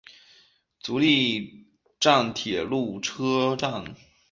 足利站铁路车站。